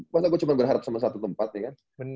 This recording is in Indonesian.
pas gue cuma berharap sama satu tempat ya kan